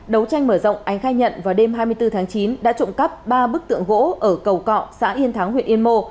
đấu tranh mở rộng ánh khai nhận vào đêm hai mươi bốn tháng chín đã trộm cắp ba bức tượng gỗ ở cầu cọ xã yên thắng huyện yên mô